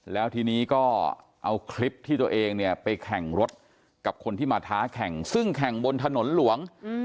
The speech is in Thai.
แล้วทีนี้ก็เอาคลิปที่ตัวเองเนี่ยไปแข่งรถกับคนที่มาท้าแข่งซึ่งแข่งบนถนนหลวง